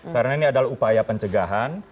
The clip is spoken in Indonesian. karena ini adalah upaya pencegahan